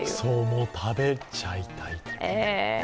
もう食べちゃいたい。